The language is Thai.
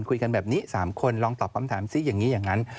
คุยกันแบบนี้๓คนลองตอบคำถามซิอย่างนี้อย่างนั้น